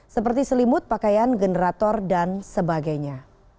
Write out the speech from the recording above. seperti selimut pakaian generator dan sebagainya